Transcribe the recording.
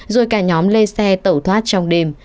rồi cả nhóm lên xe tẩu thoát trong đêm